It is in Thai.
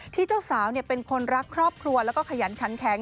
เจ้าสาวเป็นคนรักครอบครัวแล้วก็ขยันขันแข็ง